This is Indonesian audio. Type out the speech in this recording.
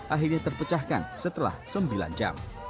akhirnya terpecahkan setelah sembilan jam